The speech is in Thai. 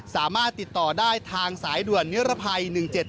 สามารถติดต่อได้ทางสายด่วนนิรภัย๑๗๗